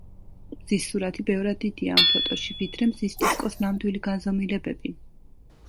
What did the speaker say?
მზის სურათი ბევრად დიდია ამ ფოტოში, ვიდრე მზის დისკოს ნამდვილი განზომილებები.